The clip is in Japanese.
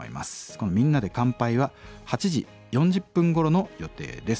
この「みんなで乾杯」は８時４０分ごろの予定です。